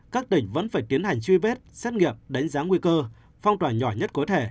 các tỉnh vẫn phải tiến hành truy vết xét nghiệm đánh giá nguy cơ phong tỏa nhỏ nhất có thể